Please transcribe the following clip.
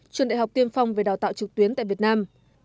trường đại học tiên phong về đào tạo trực tuyến tại việt nam